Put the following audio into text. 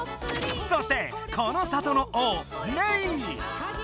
そしてこの里の王メイ！